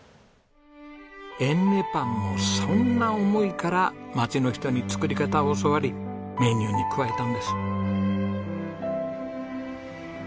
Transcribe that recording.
えんねパンもそんな思いから町の人に作り方を教わりメニューに加えたんです。